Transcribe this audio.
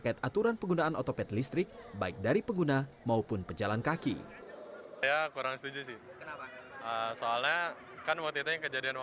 asalkan maksudnya tetap ada untuk pejalan kaki tetap ada